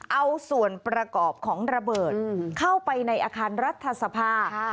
เอาส่วนประกอบของระเบิดเข้าไปในอาคารรัฐสภา